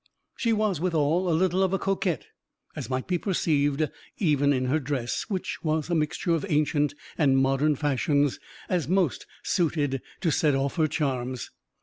She was withal a little of a coquette, as might be perceived even in her dress, which was a mixture of ancient and modern fashions, as most suited to set off her charms.